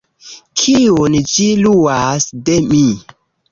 kiun ĝi luas de mi.